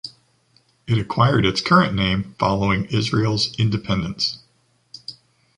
It acquired its current name following Israel’s independence.